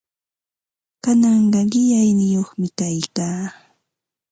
Kananqa qillayniyuqmi kaykaa.